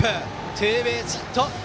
ツーベースヒット。